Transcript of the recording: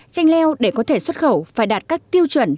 chanh leo để có thể xuất khẩu phải đạt các tiêu chuẩn